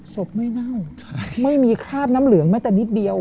ศพไม่เน่าไม่มีคราบน้ำเหลืองแม้แต่นิดเดียว